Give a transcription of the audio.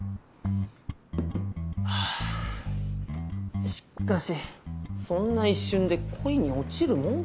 あしっかしそんな一瞬で恋に落ちるもんかね。